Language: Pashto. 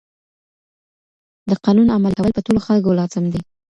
د قانون عملي کول په ټولو خلګو لازم دي.